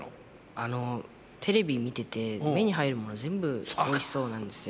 あのテレビ見てて目に入るもの全部おいしそうなんですよ。